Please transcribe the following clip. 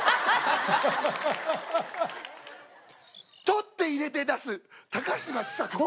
取って入れて出す高嶋ちさ子。